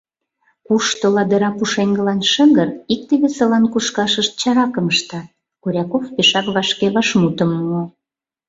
— Кушто ладыра пушеҥгылан шыгыр, икте-весылан кушкашышт чаракым ыштат, — Коряков пешак вашке вашмутым муо.